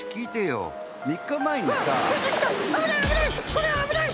これあぶない！